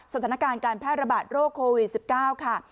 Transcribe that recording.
สถานการณ์การแพร่ระบาดโรคโควิด๑๙ค่ะ